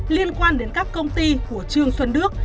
liên quan đến các công ty của trương xuân đức